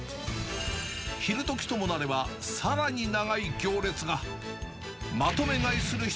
昼どきともなれば、さらに長い行列が。